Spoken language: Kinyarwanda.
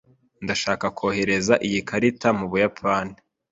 Ndashaka kohereza iyi karita mu Buyapani.